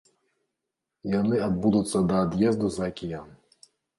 Яны адбудуцца да ад'езду за акіян.